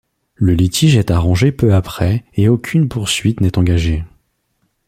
Le litige est arrangé peu après et aucune poursuite n'est engagée.